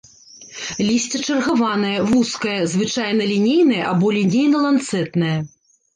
Лісце чаргаванае, вузкае, звычайна лінейнае або лінейна-ланцэтнае.